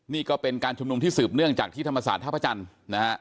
นี่ก็เป็นการชุมนุมที่สืบเนื่องจากที่ธรรมศาสตร์ท่าพระจันทร์นะฮะ